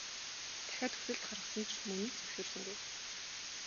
Дахиад хүсэлт гаргасан ч мөн л зөвшөөрсөнгүй.